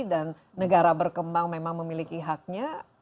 dan negara berkembang memang memiliki haknya